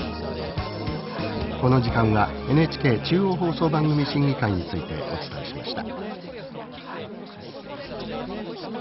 この時間はＮＨＫ中央放送番組審議会についてお伝えしました。